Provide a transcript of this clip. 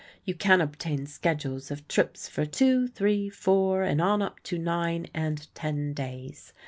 You can obtain schedules of trips for two, three, four, and on up to nine and ten days.